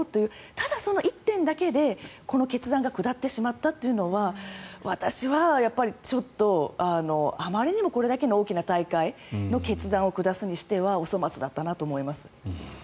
ただその一点だけでこの決断が下ってしまったというのは私はちょっとあまりにもこれだけの大きな大会の決断を下すにしてはお粗末だったなと思います。